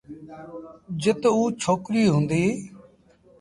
جت اُ ڇوڪريٚ هُݩديٚ۔